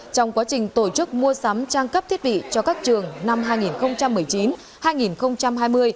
trong quá trình tổ chức mua sắm trang cấp thiết bị cho các trường năm hai nghìn một mươi chín hai nghìn hai mươi